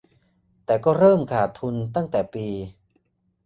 แต่ก็เริ่มขาดทุนตั้งแต่ปี